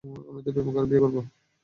আমি তো প্রেম করে বিয়ে করবো।